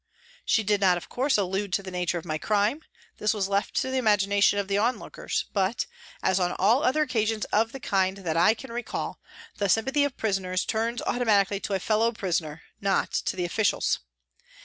She did not, of course, allude to the nature of my crime ; this was left to the imagination of the onlookers, but, as on all other occasions of the kind that I can recall, the sympathy of prisoners turns automatically to a fellow prisoner, not to the officials.